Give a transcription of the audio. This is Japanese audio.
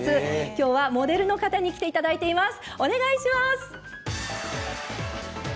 今日はモデルの方に来ていただいています。